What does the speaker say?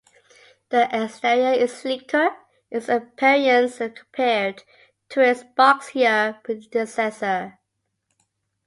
The exterior is sleeker in appearance compared to its boxier predecessor.